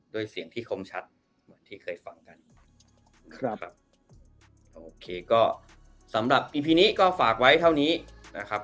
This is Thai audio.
โดยเสียงที่คมชัดเหมือนที่เคยฟังกันครับแบบโอเคก็สำหรับอีพีนี้ก็ฝากไว้เท่านี้นะครับ